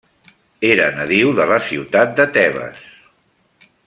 Era nadiu de la ciutat de Tebes.